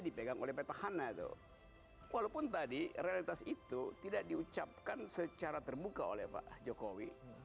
dipegang oleh petahana itu walaupun tadi realitas itu tidak diucapkan secara terbuka oleh pak jokowi